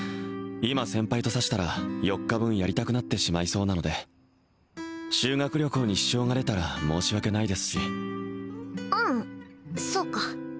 今先輩と指したら４日分やりたくなってしまいそうなので修学旅行に支障が出たら申し訳ないですしうんそうか